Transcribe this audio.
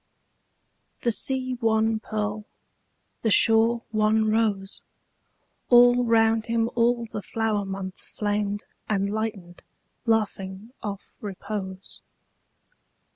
The sea one pearl, the shore one rose, All round him all the flower month flamed And lightened, laughing off repose.